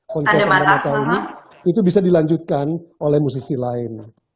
konser amata ini itu bisa dilanjutkan oleh musisi lain